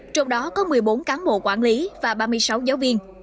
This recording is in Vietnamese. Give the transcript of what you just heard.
trong đó có một mươi bốn cán bộ quản lý và ba mươi sáu giáo viên